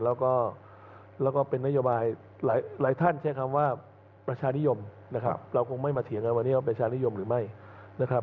แล้วก็เป็นนโยบายหลายท่านใช้คำว่าประชานิยมนะครับเราคงไม่มาเถียงกันวันนี้ว่าประชานิยมหรือไม่นะครับ